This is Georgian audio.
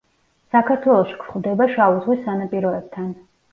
საქართველოში გვხვდება შავი ზღვის სანაპიროებთან.